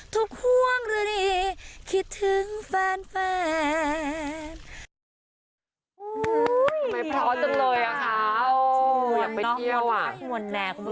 ทุกห่วงหรือนี้คิดถึงแฟน